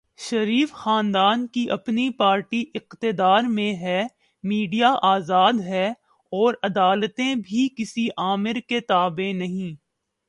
شریف خاندان کی اپنی پارٹی اقتدار میں ہے، میڈیا آزاد ہے اور عدالتیں بھی کسی آمر کے تابع نہیں۔